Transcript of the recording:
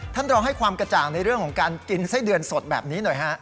ท่านรอให้ความกระจ่างในเรื่องของการกินไส้เดือนสดแบบนี้หน่อยฮะ